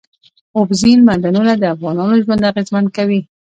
اوبزین معدنونه د افغانانو ژوند اغېزمن کوي.